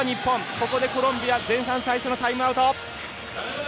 ここでコロンビア前半最初のタイムアウト。